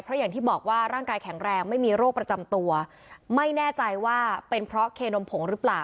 เพราะอย่างที่บอกว่าร่างกายแข็งแรงไม่มีโรคประจำตัวไม่แน่ใจว่าเป็นเพราะเคนมผงหรือเปล่า